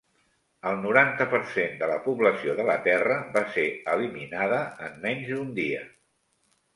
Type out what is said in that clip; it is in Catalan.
El noranta per cent de la població de la Terra va ser eliminada en menys d'un dia.